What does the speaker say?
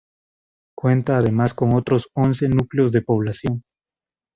Cuenta además con otros once núcleos de población.